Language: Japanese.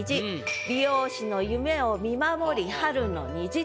「美容師の夢を見守り春の虹」って。